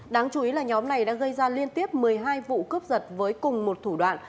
đáng chú ý là nhóm này đã gây ra liên tiếp một mươi hai vụ cướp giật với cùng một thủ đoạn